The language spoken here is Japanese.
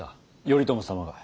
頼朝様が。